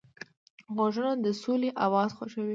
غوږونه د سولې اواز خوښوي